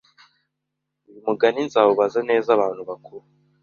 Uyu mugani nzawubaza neza abantu bakuru